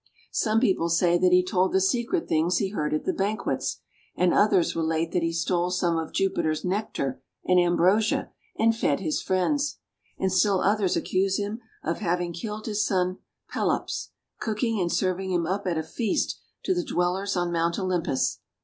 Some people say that he told the secret things he heard at the banquets, and others relate that he stole some of Jupiter's Nectar and Ambrosia, and fed his friends; and still others accuse him of having killed his son Pelops, cooking and serving him up at a feast to the Dwellers on Mount Olympus.